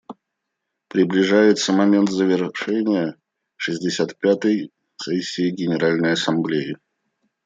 Приближается момент завершения шестьдесят пятой сессии Генеральной Ассамблеи.